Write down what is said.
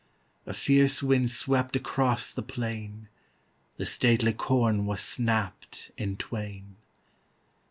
A fierce wind swept across the plain, The stately corn was snapped in twain.